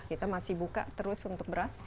kita masih buka terus untuk beras